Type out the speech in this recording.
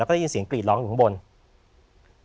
แล้วก็ได้ยินเสียงกรีดร้องอยู่ข้างบน